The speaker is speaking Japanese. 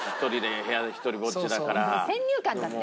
先入観だって。